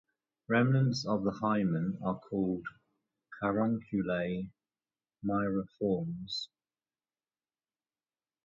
Remnants of the hymen are called carunculae myrtiformes.